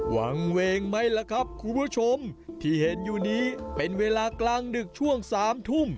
วางเวงไหมล่ะครับคุณผู้ชมที่เห็นอยู่นี้เป็นเวลากลางดึกช่วงสามทุ่ม